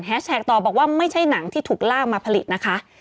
แท็กต่อบอกว่าไม่ใช่หนังที่ถูกลากมาผลิตนะคะ